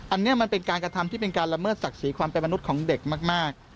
อันนี้มันเป็นการกระทำที่เป็นการละเมิดศักดิ์ศรีความเป็นมนุษย์ของเด็กมาก